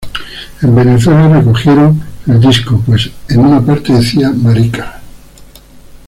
En Venezuela recogieron el disco pues en una parte decía "marica".